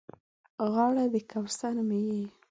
غاړه د کوثر مې یې